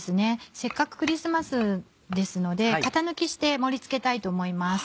せっかくクリスマスですので型抜きして盛り付けたいと思います。